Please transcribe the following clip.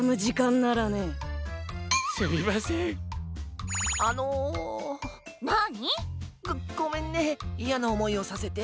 なに？ごごめんねいやなおもいをさせて。